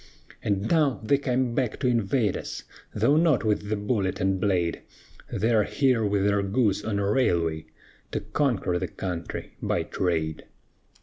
And now they come back to invade us, Though not with the bullet and blade; They are here with their goods on a railway, To conquer the country by trade."